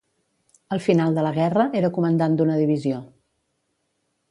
Al final de la guerra, era comandant d'una divisió.